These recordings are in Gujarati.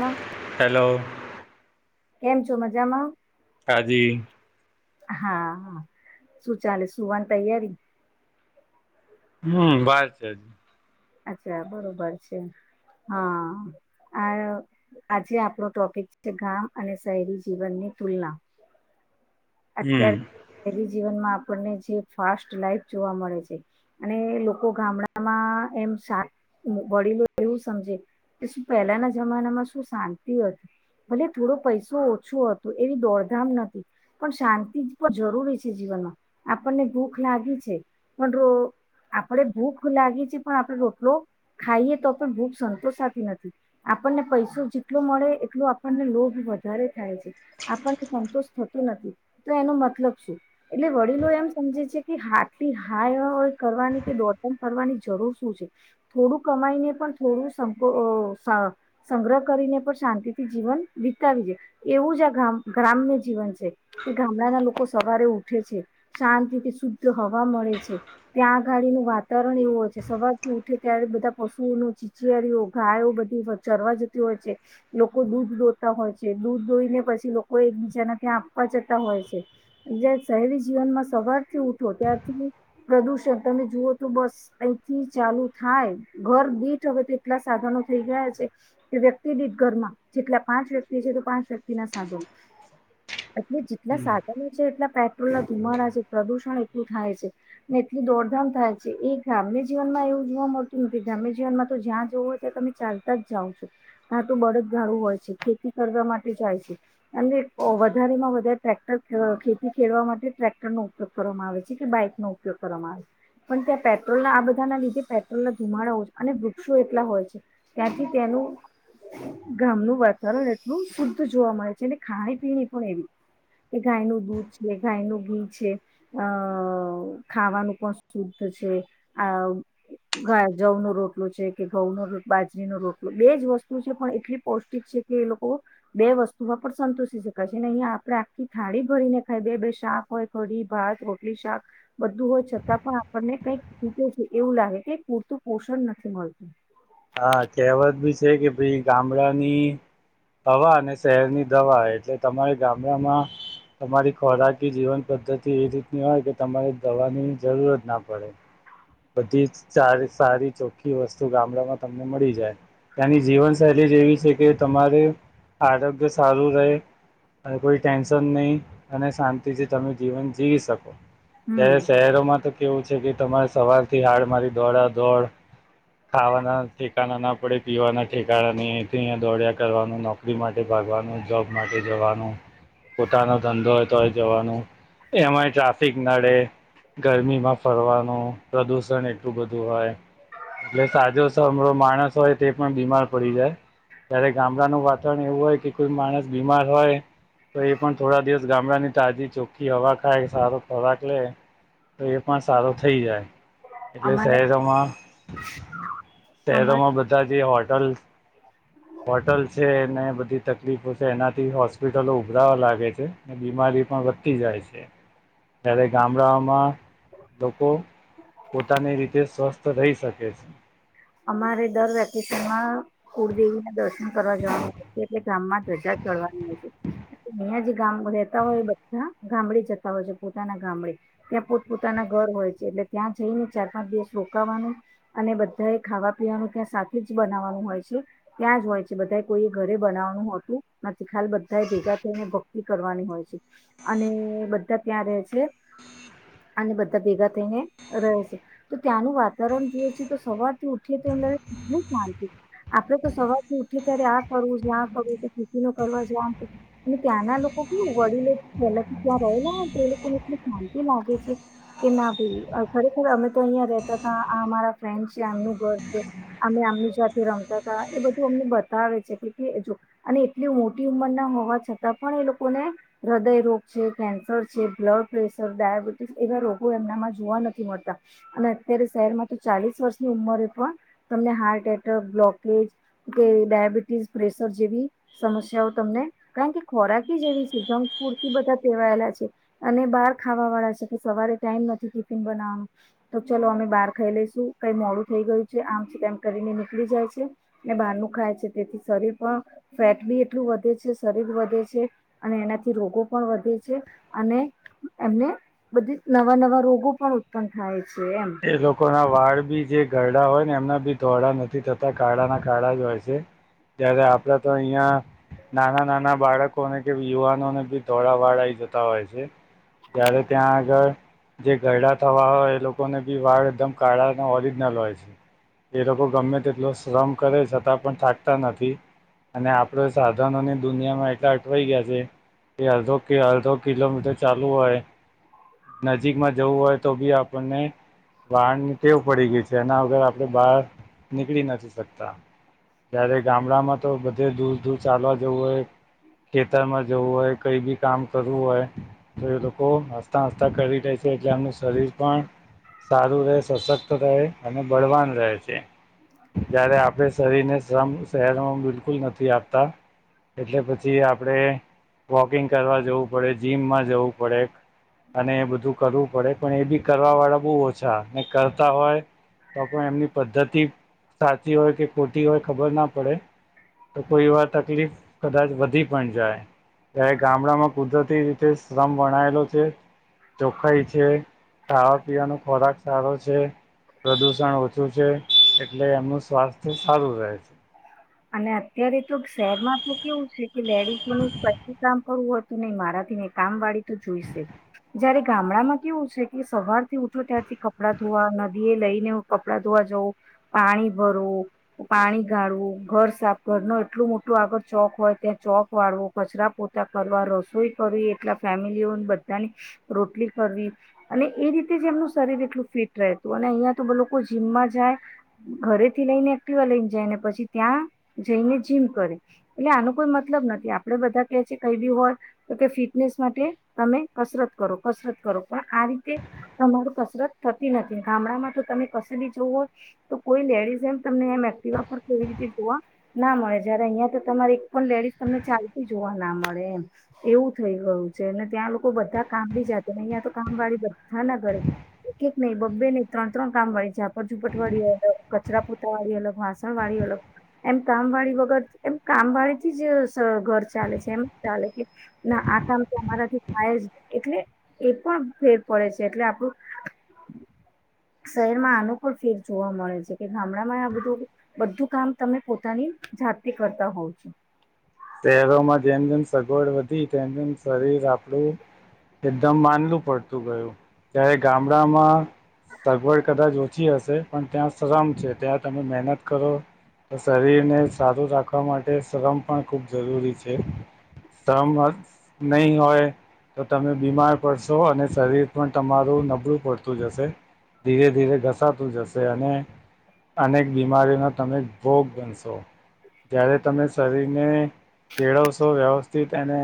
માં હલો કેમ છો મજામાં હાજી હા શું ચાલે સુવાની તૈયારીને હમ બસ છે જ અચ્છા બરોબર છે હા આ આજે આપણો ટોપિક છે ગામ અને શહેરી જીવનની તલના [unintelligible] અત્યારે હમ શહરી જીવનમાં આપને જે ફાસ્ટ લાઈફ જોવા મળે છે અને લોકો ગામડામાં એમ સાત વડીલો એવું સમજે કે શું પહેલાના જમાનામાં શું શાંતિ હતી ભલે થોડો પૈસો ઓછો હતો એવી દોડધામ નથી પણ શાંતિ પણ જરૂરી છે જીવન ન મા આપને ભૂખ લાગી છે પણ આપડે ભૂખ લાગી છે પણ આપણે રોટલો ખાઈએ તો પણ બૂબ સંતોષ આપતી નથી આપણને પૈસો જેટલો મળે એટલો આપણને લોભ વધારે થાય છે આપણને સંતોષ થતો નથી તો એનો મતલબ શું એટલે વડીલો એમ સમજે છે કે હાટલી હા કરવાની કે દોટન કરવાની જરૂર થોડું કમાઈને પણ થોડું સમ સા સંગ્રહ કરીને પણ શાંતિથી જીવન વિતાવી જાય એવું જ આ ગ્રામ્ય જીવન છે કે ગામડાના લોકો સવારે ઉથ ઉઠ છે શાંતિથી શુદ્ધ હવા મળે છે ત્યાં આગાડીનું વાતાવરણ એવું છે સવાર ઉઠે ત્યારે બધા પશુઓ ન ચીચયળઓ ગાયો બધી ચરવા જતી હોય છે લોકો દૂર દૂધોતા હોય છે દૂધ રોઈને પછી લોકો એકબીજાના ત્યાં આપવા જતા હોય છે એવી જીવનમાં સવારથી ઉઠો ત્યારથી પ્રદુષણ તમે જુઓ તો બસ અહીંથી જ ચાલુ થાય ઘર દીઠ હવે તો એટલા સાધનો થઈ ગયા છે કે વ્યક્તિ દીઠ ઘરમાં જેટલા પાંચ વ્યક્તિ છે તો પાંચ વ્યક્તિ ના સાધો [inaudible] જેટલા સાધનો છે એટલા પેટ્રોલ ના ધીમાડા છે પ્રદુષણ એટલું થાય છે ને એટલી દોડધામ થાય છે એ ગામે જ જીવન માં એવું જોવા મળતું નથી ગ્રામ્ય જીવનમાં તો જ્યાં જવું હોય ત્યાં તમે ચાલતા જાવ છો તા તો બળદ ગાડું હોય છે ખેતી કરવા માટે જાય છે અને વધારેમાં વધારે ટ્રેક્ટર ખે ખેતી ખેડવા માટે ટક્ટર નો ઉપયોગ કરવામાં આવે છે કે બાઈક નો ઉપયોગ કરવામાં આવે છે પણ ત્યાં પેટ્રોલ ના આ બ બધાં ના લીધે પેટ્રોલ ના ધુમાડા હોય અને વૃક્ષો એટલા હોય છે ત્યાંથી તેનું ગામનું વાતાવરણ એટલું શુધું જોવા મળે છે અને ખાણી પીણી પણ એવી એ ગાયનું દૂધ છે ગાયનું ઘી છે અ ખાવાનું પણ શુદ્ધ છે આ ઘ જવ નો રોટલો છે કે ઘઉં નો બાજરીનો રોટલો બેજ વસ્તુ છે પણ એટલી પૌષ્ટિક છે એ લોકો બે વસ્તુમાં પણ સંતુષી શકાય છે અહીંયા આપડે આખી થાળી ભરીને ખાય બે બે શાક હોય કડી ભાત રોટલી શાક બધું હોય છતાં પણ આપણને કઈક ખુટે છે એવું લાગે કે પૂરતું પોષણ નથી મળતું હા કહેવત ભી છે કે ભાઈ ગામડાની હવા અને શહેરની દવા એટલે તમારે ગામડામાં તમારી ખોરાકી જીવન પદ્ધતિ એ રીતની હોય કે તમારે દવાની જરૂરત ના પડે બધી સારી ચોખ્ખી વસ્તુ ગામડામાં તમને મળી જાય ત્યાંની જીવન શૈલી [unintelligible] છે કે તમારે આરોગ્ય સારું રેય અને કોઈ ટેન્શન નઈ અને શાંતિથી તમે જીવન જીવી શકો ત્યારે હમ શહેરોમાં તો કેવું છે કે તમારે સવાર થી હાડ મારી દોડા દોડ ખાવાના ઠેકાના ના પડે પીવાના ઠેકાણા ની [unintelligible] દોડયા કરવાનું નોકરી માટે ભાગવાનું જોબ માટે જવાનું પોતાનો ધંધો હોય તોય જવાનું એમાંય ટ્રાફિક નડે ગરમીમાં ફરવાનું પ્રદુષણ એટલું બધું હોય એટલે સાજો [unintelligible] માણસ હોય તે પણ બીમાર પડી જાય ત્યારે ગામડાનું વાતાવરણ એવું હોય કે કોઈ માણસ બીમાર હોય તો એ પણ થોડા દિવસ ગામડાની તાજી ચોખ્ખી હવા ખાય સારો ખોરાક લેય તો એ પણ સારો થઈ જાય એટલે અમારે શહેરોમાં અમારે શહેરોમાં બધા જે હોટલ હોટલ છે ને બધી તકલીફો છે એનાથી હોસ્પિટલો ઉભરાવા લાગે છે અને બીમારી પણ વધતી જાય છે ત્યારે ગામડાઓમાં લોકો પોતાની રીતે સ્વસ્થ રઈ શકે છે અમારે દર વેકેશનમાં કુળદેવી ના દર્શન કરવા જવા છે એટલે ગામમાં ધ્વજા [unintelligible] અહિયાં જે ગામ રેતા હોય એ બધા ગામડે જતા હોય છે પોતાના ગામડે ત્યાં પોત પોતાના ઘર હોય છે એટલે ત્યાં જઈને ચાર પાંચ દિવસ રોકાવાનું અને બ બધા ખાવા પીવાનું ત્યાં સાથે જ બનાવાનું હોય છે ત્યાં જ હોય છે બધાએ કોઈએ ઘરે બનાવવાનું હોતું નથી ખાલ બધા એ ભેગા થઈને ભક્તિ કરવાની હોય છે અને બધા ત્યાં રેય છે [inaudible] અને બધા ભેગા થઈને રહે છે તો ત્યાંનું વાતાવરણ જોવે છે તો સવારથી ઉઠી તો એમ લાગે કેટલું શંતી આપડે તો સવારથી ઉઠી ત્યારે આ કરવું [inaudible] ખેતી ન કરવા [inaudible] અને ત્યાંના લોકો કેવું વડીલો પહેલાથી ત્યાં રહેલા હોય તો એ લોકોને એટલ શાંતિ લાગે છે કે ના ભાઈ ખરેખર અમે તો અહિયાં રેતા હતા અમારા ફ્રેન્ડ છે એમનું ઘર છે અમે આમની સાથે રમતા હતા એ બધું અમને બતાવે છે કે જો અને એટલી મોટી ઉંમરના હોવા છતાં પણ એ લોકોને હૃદયરોગ છે કેન્સર છે બ્લડ પ્રેશર ડાયાબિટીસ એવા રોગો એમનામાં જોવા નથી મળતા અને અત્યારે શહેરમાં તો ચાલીસ વર્ષની ઉંમરે પણ તમને હાર્ટ એટેક બ્લોકેજ કે ડાયાબિટીસ પ્રેશર જેવી સમસ્યાઓ તમને કારણ કે ખોરાકી જેવી સિધમ પૂરતી બધા પેવાયેલા છે અને બહાર ખાવા વાળા છે કે સવારે ટાઈમ નથી કિફિન બનાવાનું તો ચલો અમે બહાર ખાઈ લઈ ું કઈ મોડું થઈ ગયું છે આમ છે તેમમ કરીને નીકળી જાય છે ને બહારનું ખાય છે તેથી શરીર પણ ફેટ બી એટલું વધે છે શરીર વધે છે અને એનાથી રોગો પણ વધે છે અને એમને બધી નવા નવા રોગો પણ ઉત્પન્ન થાય છે એમ એ લોકો ના વાળ બી જે ગરડા હોય ને એમના બી ધોડા નથી થતા કાળા ના કાળા જ હોય છે તય્યારે આપડે તો અહિયાં નાના નાના બાળકોને કે યુવાનોને બી ધોળ વાળા જતા હોય છે જયારે ત્યાં આગળ જે ગરડા થવા હોય એ લોકો ને બી વાળ એકદમ કાળાને ઓરિજનલ હોય છે એ લોકો ગમે તેટલો શ્રમ કરે જ હતા પણ થાકતા નથી અને આપડ સાધનોને દુનિયામાં એટલા અટવાઈ ગયા છે કે અધો કે અડધો કિલોમીટર ચાલુ હોય નજીકમાં જવું હોય તો બી આપણને વાહારની ટેવ પડી ગઈ છે એના વગર આપડણે બહાર નીકળી નથી શકતા ત્યારે ગામડામાં તો બધે દૂર દૂર ચાલવા જવું હોય ખેતરમાં જવું હોય કઈ બી કામ કરવું હોય તો એ લોકો હસતા હસતા કરી રે છે એટલે એમનું શરીર પણ સારું રહે સશક્ત રહે અને બળવાન રહે છે જયારે આપે શરીરને શ્રમ શહેરમાં બિલકુલ નથી આપતા એટલે પછી આપડે વોકિંગ કરવા જવું પડે જીમમાં જવું પડે અને એ બધું કરવું પડે પણ એ બી કરવા વાળા બહ અચ્છા ને કરતા હોય તો કો એમની પદ્ધતિ સાચી હોય કે ખોટી હોય ખબર ના પડે તો કોઈ એ વાર તકલીફ કદાચ વધી પણ જાય ત્યારે ગામડા માં કુદરતી શ્રમ વણાયેલો છે ચોખાઈ છે ખાવા પીવાનો ખોરાક સારો છે પ્રદુષણ ઓછું છે એટલે એમનું સ્વાસ્થ્ય સારું રહે છે અને અત્યારે તો શહેરમાં તો કેવું છે કે લેડીસોનું સ્છું કામ કરવુંત નહી મારાથી નહી કામ વાળી તો જોઈશે જયારે ગામડામાં કેવું છે કે સવાર થી ઉઠો ત્યાારથી કપડાં ધોવા નદી એ લઈને કપડાં ધોવા જ પાણી ભરો પાણી ગાળવું ઘર સાફ ઘર ન એટલું મોટું આગળ ચોક હોય ત્યાં ચોક વાળવો કચરા પોતા કરવા રસોઈ કર એટ ફેમિલીઓ બધાની રોટલી કરવી અને એ રીતે જ એમનું શરીર એટલું ફિટ ું અને અહિયાં તો લોકો જીમમાં જાય ઘરે થી લઈને એક્ટિવા લઈને જાય પછી ત્યાં જઈને જીમ કરે એટલે આનો કોઈ મતલબ નથી આપડે બધા કે છે કઈ બી હોય તો કે ફિટનેસ માટે તમે કસરત કરો કસરત કરો પણ આ રીતે તમારું કસરત થ નથી ગામડામાં તો તમે ક બી જવું હોય તો કોઈ લેડીઝ એમ તમને એમ એક્ટવા પર કેવી રીતે જોવા ના મળે જયારે અહિયાં તો તમારે એક પણ લેડીસ તમને ચાલતી જોવા ના મળે એમ એવું થઈ ગયું છે અને ત્યાં લોકો બધા કામ બી જાતે ને અહિયાં તો કામ વાળી બધા ના ઘરે એક એક નહીિ બબ્બે નહીં ત્રણ્રણ કામ વાળીઝાપટ ઝુપટ વાળી અલગ કચરા પોતા વાળી અલગ વાં વાળ અળ એમ કામ વાળી વગર એમ કામ વાળીથી જ ઘર ચાલે છે એમ ચાલે કે ના આ કં તો અમારાથી થાય જ એટલે એ પણ ફેર પડે છે એટલે આપણું [inaudible] શહેરમાં અનુકૂળ ફેર જોવા મળે છે કે ગામડામાં આ બધું બધું કામ તમે પોતાની જાતે કરતા હોવ છો શહેરોમાં જેમ જેમ સગવડ વધી તેમ તેમ શરીર આપણું એકદમ માનલું પડતું ગયું ત્યારે ગામડામાં સગવડ કદાચ ઓછી હશે પણ ત્યાં શ્રમ છે ત્યાં તમે મહેનત કરો તો શરીરને સારું રાખવા માટે શ્રમ પણ ખૂબ જરૂરી છે શ્રમ નહી હોય તો તમે બીમાર પડશો અને શરીર પણ તમારું નબળું પડતું જશે ધીરે ધીરે ઘસાતું જશે અને અનેક બીમારીનો તમે ભોગ બનશો જ્યારે તમે શરીર ને કેળવશો વ્યવસ્થિત એને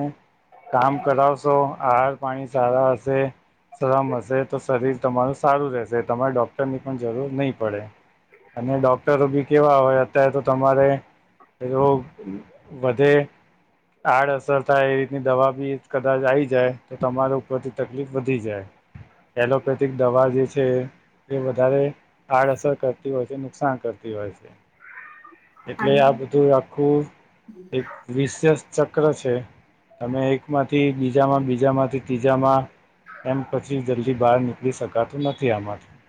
કામ કરાવશો આહાર પાણી સારા હશે શ્રમ હશે તો શરીર તમારું સારું રહેશે તમારે ડોક્ટરની પણ જરૂર નહીં પડે અને ડોક્ટરો બી કેવા હોય અત્યારે તો તમારે જો વધે આડઅસર થાય એ રીતની દવા બી કદાચ આઈ જાય તો તમારા ઉપરથી તકલીફ વધી જાય એલોપેથિક દવા જે છે છે એ વધારે આડઅસર કરતી હોય છે નુકસાન કરતી હોય છે એટલે અને આ બધું આખું એક વિશેષ ચક્ર છે તમે એકમાંથી બીજામાં બીજામાંથી ત્રીજામાં એમ પછી જલ્દી બહાર નીકળી શકાતું નથી આમાંથી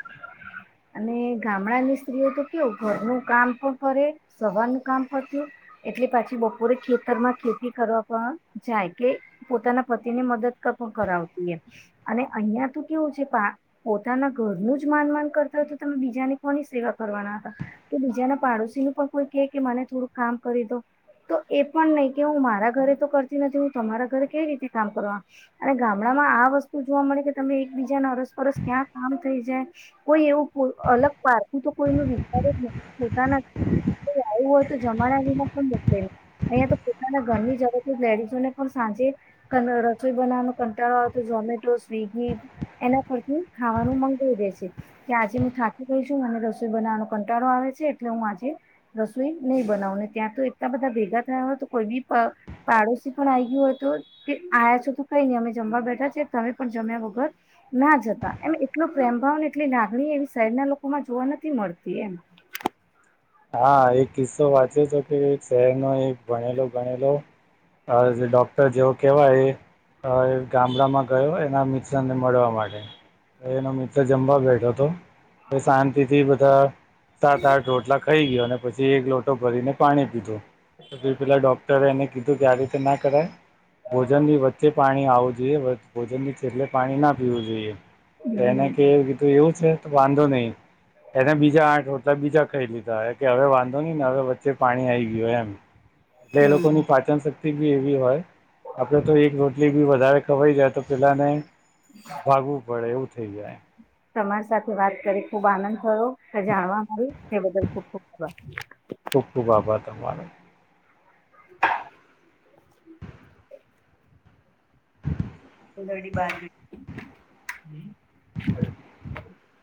અને ગામડાની સ્ત્રીઓ તો કેવું ઘરનું કામ પણ કરે સવારનું કામ પત્યું એટલે પાછી બપોરે ખેતરમાં ખેતી કરવા પણ જાય કે પોતાના પતિને મદદ પણ કરાવતી અને અહિયાં તો કેવું છે પોતાના ઘરનું જ માનમાન કરતા હોય તો તમે બીજાની કોની સેવા કરવાના હતા કે બીજાના પાડોશીનું પણ કોઈ કે મને થોડું કામ કરી દો તો એ પણ નહી કે હું મારા ઘરે તો કરતી નથી હું તમારા ઘરે કેવી રીતે કામ કરવા અને ગામડા માં આ વસ્તુ જોવા મળે કે તમે એકબીજા ના અરસ પરરસ ક્યાં કામ થઈ જાય કોઈ એવું અલગ પારખું તો કોઈ નું વિચાર પોતાના આવું હોય તો જમાનામાં પણ મોકલે અહિયાં તો પોતાના ઘરની જરૂર જ લેડીઝોને પણ આજે રસોઈ બનાવવાનો કંટાળો આવે તો ઝોમેટો સ્વીગી એના પરથી ખાવાનું મંગાવી દે છે કે આજે હું થાકી ગઈ છું મને રસોઈ બનાવાનો કંટાળો આવે છે એટલે હું આજે રસોઈ નહી બનાવુને ત્યાં તો એટલા બધા ભેગા થયા હોય તો કોઈ બી પા પાડોશી પણ આવી ગ યો તો કે આ્યા છો તો કઈ નહી અમે જમવા બેઠા છે તમે પણ જમ્યા વગર ના જતા એમ એટલો પ્રેમ ભાવ ને એટલી લાગણી એવી શહેરના લોકોમાં જોવા નથી મળતી એમ હા એક કિસ્સો વાંચે છે કે શહેર નો એક ભણેલો ગણેલો હ જ ડોક્ટર જેવો કેવાય હ એ ગામડામાં ગયો એના મિત્ર ને મળવા માટે એનો મિત્ર જમવા બેઠો હતો શાંતિથી બધા સાત આઠ રોટલા ખાઈ ગયો અને પછી એક લોટો ભરીને પાણી પીધું પછી પેલાં ડૉક્ટરે એને કીધું ત્યારે ના કરાય ભોજનની વચ્ચે પાણી આવવું જોઈએ ભોજન છેલ્લે પાણી ના પીવું જોઈએ તો હમ એને કે કીધું એવું છે તો વાંધો નહી એના બીજા આઠ રોટલા બીજા કઈ લીધા દીધા કે હવે વાંધો નહી ને હવે વચ્ચે પાણી આવી ગયું એમ એટલે એ હમ લોકોની પાચન શક્તિ બી એવી હોય આપડે તો એક રોટલી બી વધારે ખવાઈ જાય તો પેલાને ભાગવું પડે એવું થઇ જાય તમારી સાથે વાત કરી ખુબ આનંદ થયો જાણવા મળ્યું તે બદલ ખુબ ખુબ આભાર ખુબ [unintelligible] [inaudible] [unintelligible]